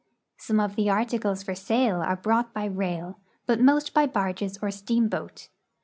Some of the articles for sale are brought by rail, but most by barges or steamboat.